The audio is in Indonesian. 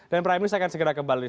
prime news akan segera kembali